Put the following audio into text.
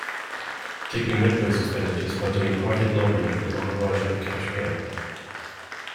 Digby met those expenditures by doing private lobbying for the Maharaja of Kashmir.